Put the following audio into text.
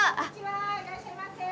いらっしゃいませ。